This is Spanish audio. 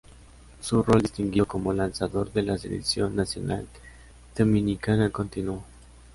Su rol distinguido como lanzador de la Selección Nacional Dominicana continuó.